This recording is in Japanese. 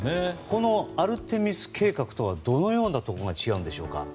このアルテミス計画とはどのようなところが違うんですか。